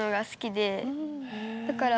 だから。